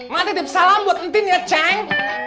ma dititip salam buat entin ya ceng